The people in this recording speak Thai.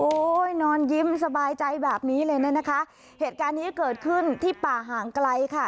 นอนยิ้มสบายใจแบบนี้เลยนะคะเหตุการณ์นี้เกิดขึ้นที่ป่าห่างไกลค่ะ